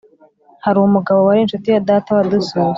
hari umugabo wari inshuti ya data wadusuye,